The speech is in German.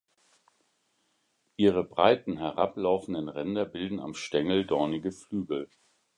Ihre breiten herablaufenden Ränder bilden am Stängel dornige Flügel.